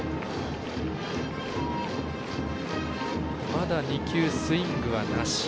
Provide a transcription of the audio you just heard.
まだ２球、スイングはなし。